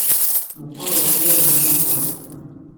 Meqqeṛ weqwiṛ n Mass White.